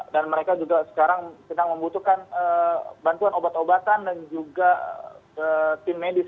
dan mereka juga sekarang sedang membutuhkan bantuan obat obatan dan juga tim medis